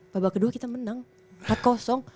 babak kedua kita menang